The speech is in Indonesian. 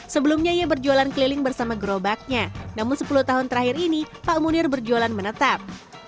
sebelumnya ia berjualan keliling bersama gerobaknya namun sepuluh tahun terakhir ini pak munir berjualan menetap